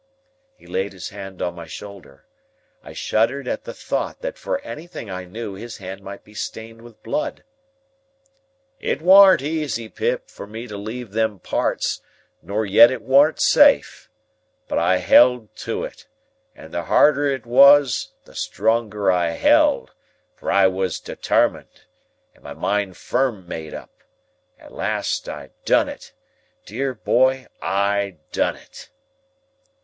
He laid his hand on my shoulder. I shuddered at the thought that for anything I knew, his hand might be stained with blood. "It warn't easy, Pip, for me to leave them parts, nor yet it warn't safe. But I held to it, and the harder it was, the stronger I held, for I was determined, and my mind firm made up. At last I done it. Dear boy, I done it!"